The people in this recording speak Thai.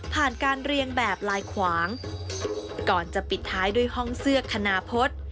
การเรียงแบบลายขวางก่อนจะปิดท้ายด้วยห้องเสื้อคณาพฤษ